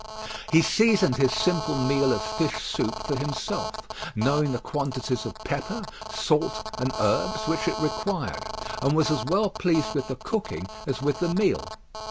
He seasoned his simple meal of fish soup for himself, knowing the quantities of pepper, salt, and herbs which it required, and was as well pleased with the cooking as with the meal.